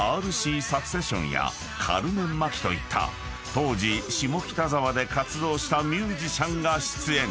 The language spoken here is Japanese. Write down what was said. ［当時下北沢で活動したミュージシャンが出演］